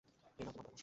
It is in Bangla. এই নাও তোমার পতাকা।